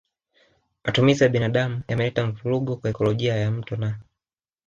Matumizi ya binadamu yameleta mvurugo kwa ekolojia ya mto na